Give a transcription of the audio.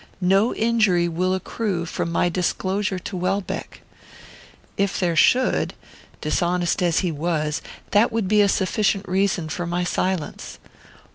No injury will accrue from my disclosure to Welbeck. If there should, dishonest as he was, that would be a sufficient reason for my silence.